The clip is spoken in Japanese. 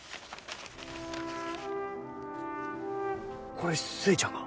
これ寿恵ちゃんが？